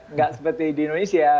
nggak seperti di indonesia